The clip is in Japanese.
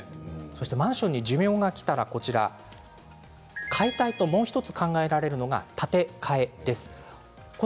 マンションに寿命がきたら解体と、もう１つ考えられるのが建て替えです。